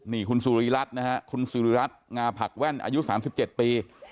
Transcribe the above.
นี่คุณสุริรัตน์นะฮะคุณสุริรัตนาผักแว่นอายุ๓๗ปี